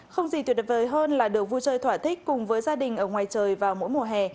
không gì tuyệt vời hơn là được vui chơi thỏa thích cùng với gia đình ở ngoài trời vào mỗi mùa hè